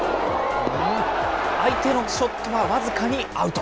相手のショットは僅かにアウト。